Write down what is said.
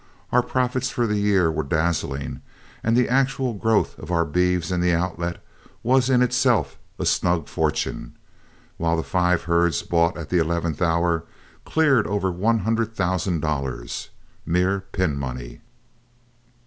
Our profits for the year were dazzling, and the actual growth of our beeves in the Outlet was in itself a snug fortune, while the five herds bought at the eleventh hour cleared over one hundred thousand dollars, mere pin money.